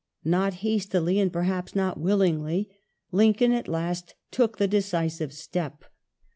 Not hastily, and perhaps not willingly, Lincoln at last took the decisive step.